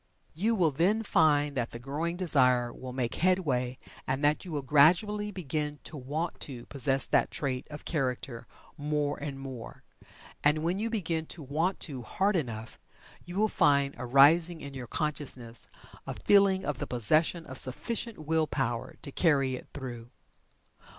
You will then find that the growing desire will make headway and that you will gradually begin to "want to" possess that trait of character more and more. And when you begin to "want to" hard enough, you will find arising in your consciousness a feeling of the possession of sufficient Will power to carry it through.